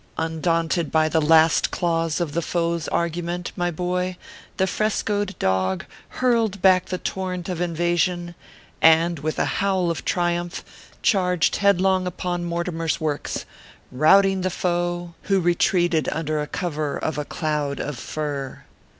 Undaunted by the last claws of the foe s argument, my boy, the frescoed dog hurled back the torrent of invasion, and, with a howl of triumph, charged head long upon Mortimer s works, routing the foe, who retreated under cover of a cloud of fur.